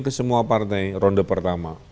ke semua partai ronde pertama